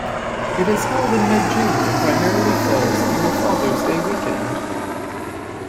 It is held in mid-June and primarily falls on the Father's Day weekend.